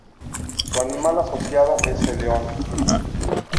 Su animal asociado es el león.